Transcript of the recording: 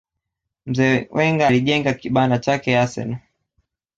mzee Wenger alijenga kibanda chake arsenal